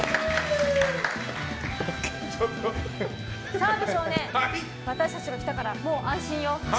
澤部少年私たちが来たからもう安心よ！